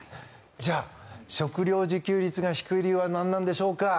じゃあ食料自給率が低い理由は何なんでしょうか。